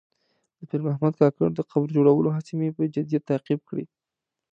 د پیر محمد کاکړ د قبر جوړولو هڅې مې په جدیت تعقیب کړې.